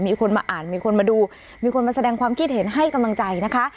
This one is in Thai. มีคนมาอ่านมีคนมาดูมีคนมาแสดงความคิดเห็นให้กำลังใจนะคะ